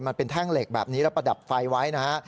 แท่งเหล็กแบบนี้แล้วประดับไฟไว้นะฮะ